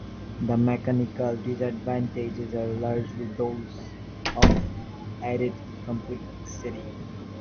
The mechanical disadvantages are largely those of added complexity.